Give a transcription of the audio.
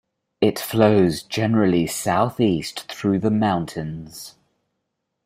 It flows generally southeast through the mountains.